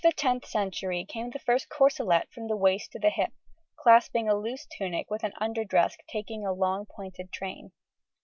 ] With the 10th century came the first corselet from the waist to the hip, clasping a loose tunic with an under dress taking a long pointed train.